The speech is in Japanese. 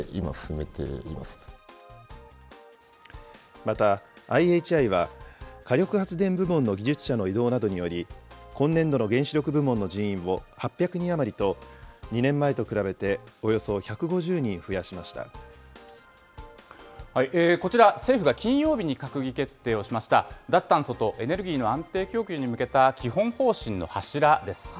また、ＩＨＩは、火力発電部門の技術者の異動などにより、今年度の原子力部門の人員を８００人余りと、２年前と比べおよそこちら、政府が金曜日に閣議決定をしました、脱炭素とエネルギーの安定供給に向けた基本方針の柱です。